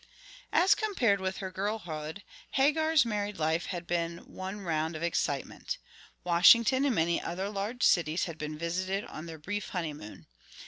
As compared with her girlhood, Hagar's married life had been one round of excitement. Washington and many other large cities had been visited on their brief honeymoon.